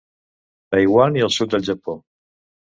Taiwan i el sud del Japó.